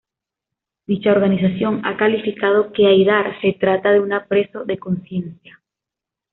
Dicha organización ha calificado que Haidar se trata de una preso de conciencia.